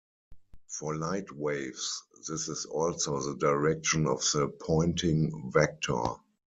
For light waves, this is also the direction of the Poynting vector.